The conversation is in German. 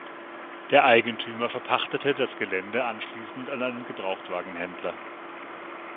Der Eigentümer verpachtete das Gelände anschließend an einen Gebrauchtwagenhändler.